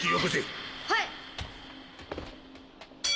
はい！